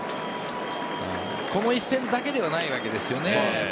この一戦だけではないわけですよね。